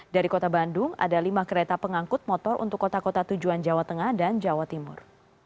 dari kota bandung ada lima kereta pengangkut motor untuk kota kota tujuan jawa tengah dan jawa timur